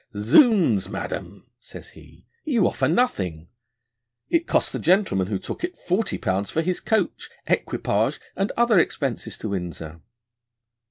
'Zounds, Madam,' says he, 'you offer nothing. It cost the gentleman who took it forty pounds for his coach, equipage, and other expenses to Windsor.'